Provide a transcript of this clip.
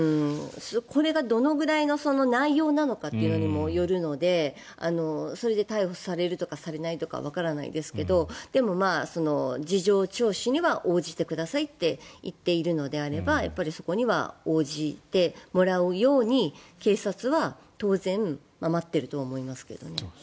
これがどのぐらいの内容なのかにもよるのでそれで逮捕されるとかされないとかわからないですけどでも、事情聴取には応じてくださいって言っているのであればやっぱりそこには応じてもらうように警察は当然、待っていると思いますけどね。